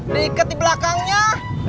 diikat di belakangnya